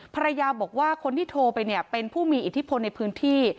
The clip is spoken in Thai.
ภรรยาบอกว่าคนที่โทรไปเนี่ยเป็นผู้มีอิทธิพลในพื้นที่